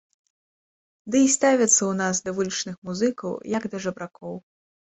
Ды і ставяцца ў нас да вулічных музыкаў як да жабракоў.